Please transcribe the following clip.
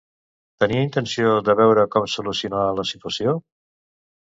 Tenia intenció de veure com solucionar la situació?